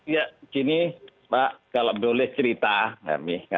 ya begini pak kalau boleh cerita kami